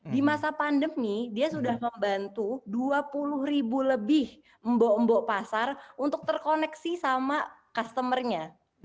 di masa pandemi dia sudah membantu dua puluh ribu lebih mbok mbok pasar untuk terkoneksi sama customer nya